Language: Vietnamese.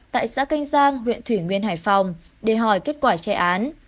tại xã canh giang huyện thủy nguyên hải phòng để hỏi kết quả chạy án